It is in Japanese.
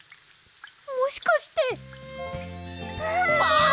もしかして！わ！